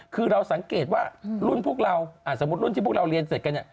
คือเราสังเกตว่ารุ่นพวกเราสมมุติรุ่นที่พวกเราเรียนเสร็จกันเนี่ย